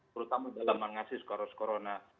terutama dalam menghasilkan kasus corona